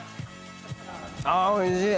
あおいしい！